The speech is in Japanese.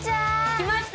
来ました。